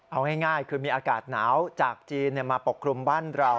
เอาง่ายคือมีอากาศหนาวจากจีนมาปกคลุมบ้านเรา